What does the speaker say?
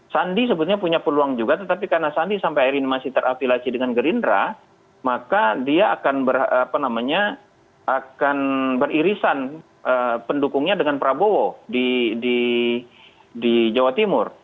sandi sebetulnya punya peluang juga tetapi karena sandi sampai hari ini masih terafilasi dengan gerindra maka dia akan beririsan pendukungnya dengan prabowo di jawa timur